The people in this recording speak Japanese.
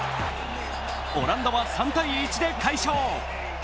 オランダは３−１で快勝。